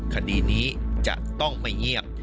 คดีนี้จะต้องไม่เงียบ